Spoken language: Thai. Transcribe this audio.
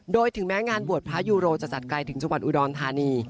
โดยถึงแม้งานบวชพระยูโรจะจัดไกลถึงจังหวัดอุดรธานี